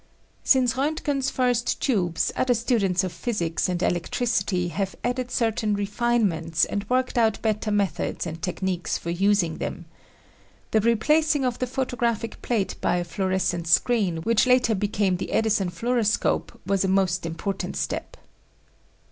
Since Roentgen's first tubes, other students of physics and electricity have added certain refinements and worked out better methods and techniques for using them. The replacing of the photographic plate by a fluorescent screen which later became the Edison fluoroscope, was a most important step.